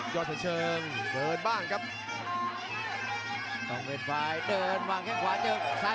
ยอดแสนเชิงเผินบ้างครับ